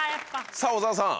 さぁ小澤さん。